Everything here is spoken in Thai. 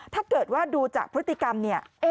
ถ้าเกิดว่าดูจากพฤติกรรมเนี่ย